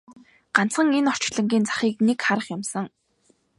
Ганцхан энэ орчлонгийн захыг нэг харах юмсан!